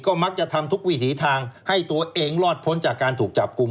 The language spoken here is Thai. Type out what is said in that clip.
ก็มักจะทำทุกวิถีทางให้ตัวเองรอดพ้นจากการถูกจับกลุ่ม